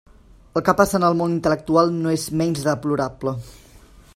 El que passa en el món intel·lectual no és menys deplorable.